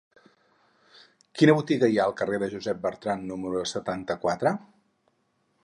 Quina botiga hi ha al carrer de Josep Bertrand número setanta-quatre?